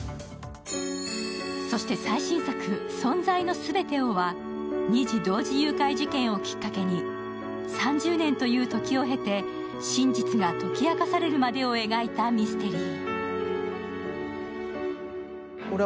そして最新作「存在のすべてを」は、二児同時誘拐事件をきっかけに３０年という時を経て真実が解き明かされるまでを描いたミステリー。